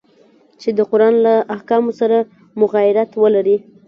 چي د قرآن له احکامو سره مغایرت ولري.